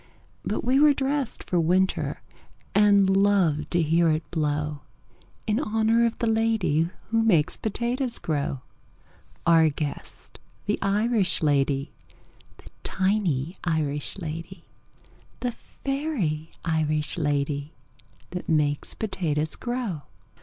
But we were dressed for winter, And loved to hear it blow In honor of the lady Who makes potatoes grow Our guest, the Irish lady, The tiny Irish lady, The fairy Irish lady That makes potatoes grow.